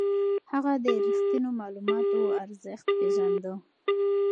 هغه د رښتينو معلوماتو ارزښت پېژانده.